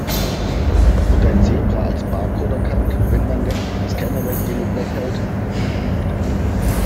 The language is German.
Wird ein Zebra als Barcode erkannt, wenn man den Scanner weit genug weghält?